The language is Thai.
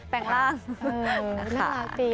แปลงร่างเออน่ารักพี่